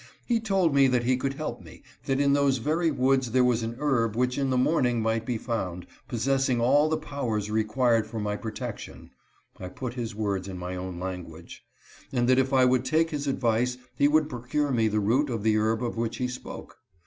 He told me that he could help me ; that in those very woods there was an herb which in the morning might be found, possessing all the powers required for my protection (I put his words in my own language), and that if I would take his advice he would procure me the root of the herb of which he spoke.